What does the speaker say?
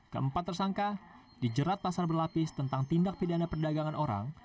keempat tersangka dijerat pasar berlapis tentang tindak pidana perdagangan orang